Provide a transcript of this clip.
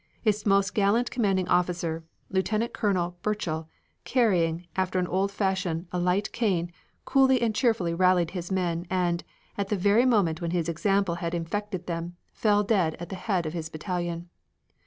Its most gallant commanding officer, Lieutenant Colonel Burchill, carrying, after an old fashion, a light cane, coolly and cheerfully rallied his men and, at the very moment when his example had infected them, fell dead at the head of his battalion.